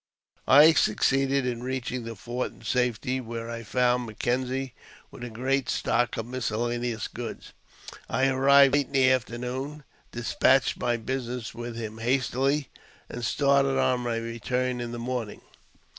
I succeeded in reaching the fort in safety, where I found M'Kenzie with a great stock of miscellaneous goods. I arrived late in the afternoon, des patched my business with him hastily, and started on my return in the morning.